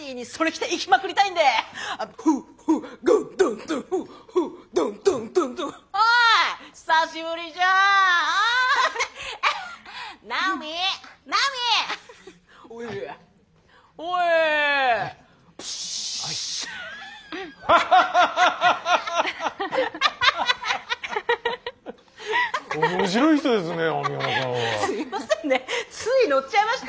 すいませんねついノッちゃいましたよ。